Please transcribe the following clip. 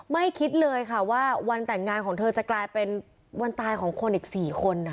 คิดเลยค่ะว่าวันแต่งงานของเธอจะกลายเป็นวันตายของคนอีก๔คน